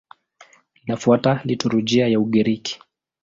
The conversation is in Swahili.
Linafuata liturujia ya Ugiriki.